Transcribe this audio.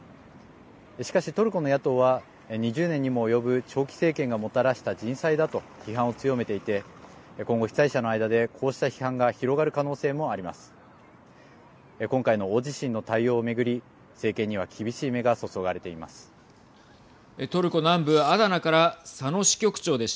しかし、トルコの野党は２０年にも及ぶ長期政権がもたらした人災だと批判を強めていて今後、被災者の間でこうした批判が広がる可能性もあります。